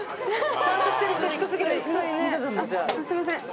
すいません！